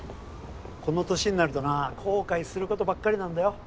この年になるとな後悔することばっかりなんだよ。